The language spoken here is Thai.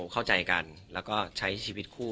เข้าใจกันแล้วก็ใช้ชีวิตคู่